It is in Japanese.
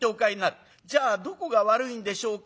『じゃあどこが悪いんでしょうか？』